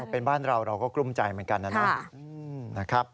เป็นบ้านเราเราก็กลุ้มใจเหมือนกันนะครับ